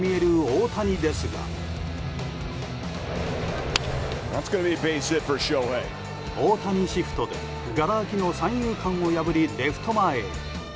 大谷シフトで、がら空きの三遊間を破りレフト前へ。